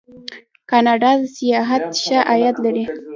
کاناډا د سیاحت ښه عاید لري.